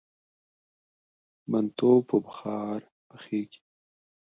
منتو په بخار پخیږي؟